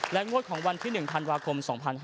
งวดของวันที่๑ธันวาคม๒๕๕๙